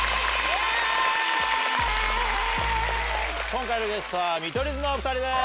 今回のゲストは見取り図のお２人です。